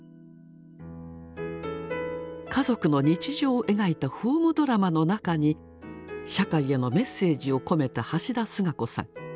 家族の日常を描いたホームドラマの中に社会へのメッセージを込めた橋田壽賀子さん。